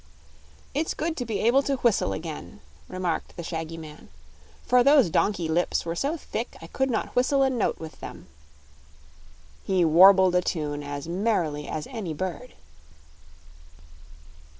"It's good to be able to whistle again," remarked the shaggy man, "for those donkey lips were so thick I could not whistle a note with them." He warbled a tune as merrily as any bird.